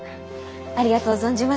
ありがとう存じます。